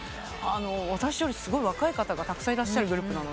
私よりすごい若い方がたくさんいらっしゃるグループなので。